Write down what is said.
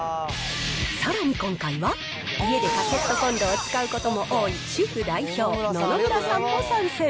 さらに今回は、家でカセットコンロを使うことも多い、主婦代表、野々村さんも参戦。